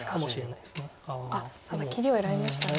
ただ切りを選びましたね。